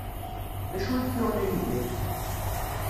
D acu i k-yuɣen a Yidir?